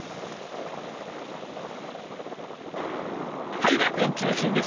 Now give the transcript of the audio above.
はい楽園通信です！